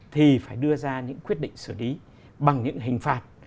thì phải đưa ra những quyết định xử lý bằng những hình phạt